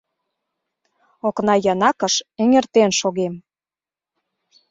Окна-янакыш эҥертен шогем.